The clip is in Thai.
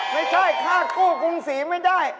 ไม่ใช่คาดกู้กรุงศรีไม่ได้